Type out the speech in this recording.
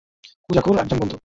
কুজাকুর একজন বন্ধু!